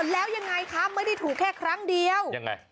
แล้วยังไงคะไม่ได้ถูกแค่ครั้งเดียวยังไง